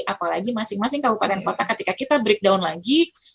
apalagi masing masing kabupaten kota ketika kita breakdown lagi